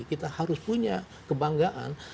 kita harus punya kebanggaan